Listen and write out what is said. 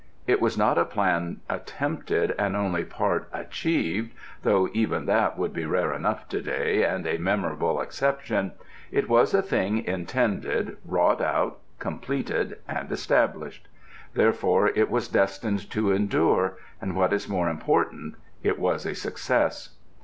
It was not a plan attempted and only part achieved (though even that would be rare enough to day, and a memorable exception); it was a thing intended, wrought out, completed and established. Therefore it was destined to endure and, what is more important, it was a success.